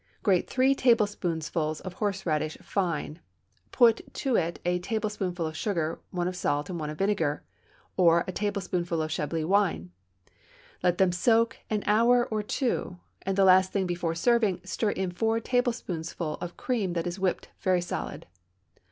Grate three tablespoonfuls of horseradish fine, put to it a teaspoonful of sugar, one of salt, and one of vinegar, or a tablespoonful of Chablis wine; let them soak an hour or two, and the last thing before serving stir in four tablespoonfuls of cream that is whipped very solid.